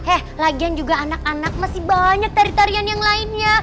eh lagian juga anak anak masih banyak tarian tarian yang lainnya